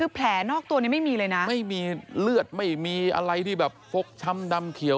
คือแผลนอกตัวนี้ไม่มีเลยนะไม่มีเลือดไม่มีอะไรที่แบบฟกช้ำดำเขียว